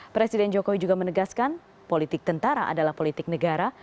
presiden jokowi juga menegaskan politik tentara adalah politik negara